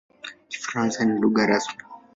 Kifaransa ni lugha rasmi.